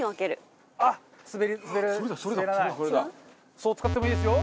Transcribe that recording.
そう使ってもいいですよ。